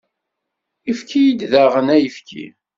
Efk-iyi daɣen ayefki.